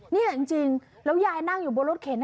นี่จริงแล้วยายนั่งอยู่บนรถเข็น